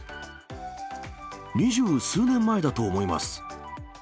二十数年前だと思います。